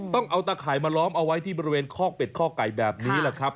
ต้องเอาตะข่ายมาล้อมเอาไว้ที่บริเวณคอกเป็ดคอกไก่แบบนี้แหละครับ